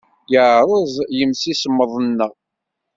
Yerreẓ yimsismeḍ-nneɣ.